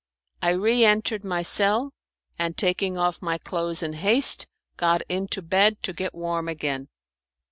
I re entered my cell, and taking off my clothes in haste, got into bed to get warm again.